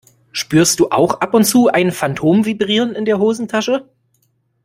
Spürst du auch ab und zu ein Phantomvibrieren in der Hosentasche?